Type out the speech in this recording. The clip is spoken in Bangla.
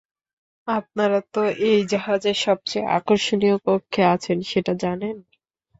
আপনারা তো এই জাহাজের সবচেয়ে আকর্ষনীয় কক্ষে আছেন, সেটা জানেন?